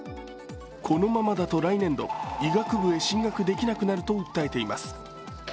このままだと来年度医学部へ進学できなくなると訴えています。